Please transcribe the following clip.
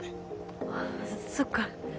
あっそっか。